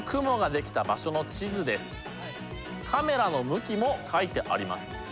カメラの向きも書いてあります。